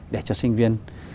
để cho sinh viên